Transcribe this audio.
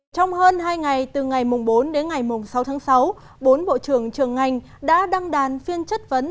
trong hơn hai ngày từ ngày bốn đến ngày sáu tháng sáu bốn bộ trưởng trường ngành đã đăng đàn phiên chất vấn